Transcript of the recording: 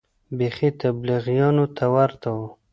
بيخي تبليغيانو ته ورته و.